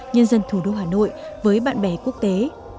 nhân dân thủ đô hà nội với bạn bè quốc tế